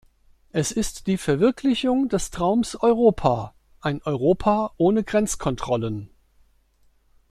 Es ist die Verwirklichung des Traums Europa, ein Europa ohne Grenzkontrollen.